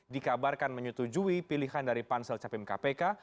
dikabarkan menyetujui pilihan dari pansel capim kpk